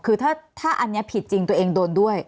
คือถ้าอันนี้ผิดจริงตัวเองโดนด้วย